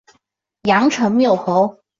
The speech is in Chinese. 阳城缪侯。